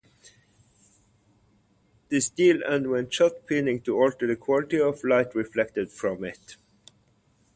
The steel underwent shot peening to alter the quality of light reflected from it.